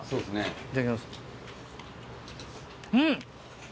いただきます。